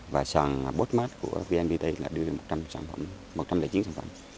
và sàn bốt mát của vnpt đã đưa được một trăm linh chín sản phẩm